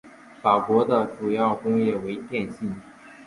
法国的主要工业为电信。